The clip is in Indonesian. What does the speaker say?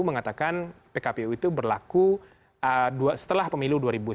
mengatakan pkpu itu berlaku setelah pemilu dua ribu sembilan belas